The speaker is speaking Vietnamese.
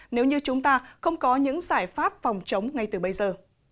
nếu như chúng ta không có những giải pháp phòng chống ngay từ bây giờ